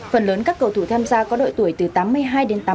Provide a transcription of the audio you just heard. phần lớn các cầu thủ tham gia có đội tuổi từ tám mươi hai đến tám mươi bốn